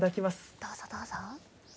どうぞ、どうぞ。